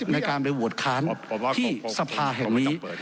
ในการไปโหวตค้านที่สภาแห่งนี้